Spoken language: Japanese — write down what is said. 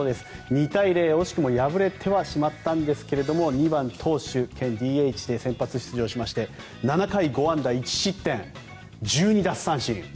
２対０、惜しくも敗れてはしまったんですが２番、投手兼ＤＨで先発出場しまして７回５安打１失点１２奪三振。